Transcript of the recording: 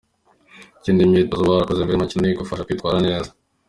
Ikindi, imyitozo uba warakoze mbere y’umukino niyo igufasha kwitwara neza.